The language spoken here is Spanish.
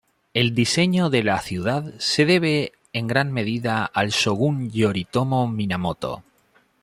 El diseño de la ciudad se debe en gran medida al shōgun Yoritomo Minamoto.